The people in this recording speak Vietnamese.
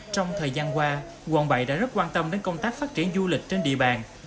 trong thời gian qua quận bảy đã rất quan tâm đến công tác phát triển du lịch trên địa bàn